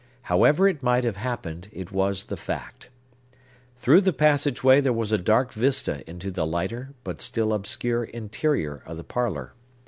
However it might have happened, it was the fact. Through the passage way there was a dark vista into the lighter but still obscure interior of the parlor.